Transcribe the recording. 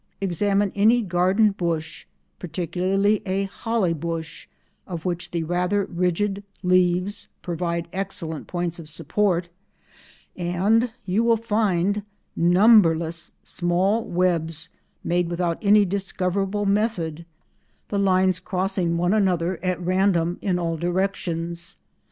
Examine any garden bush—particularly a holly bush, of which the rather rigid leaves provide excellent points of support—and you will find numberless small webs made without any discoverable method, the lines crossing one another at random in all directions.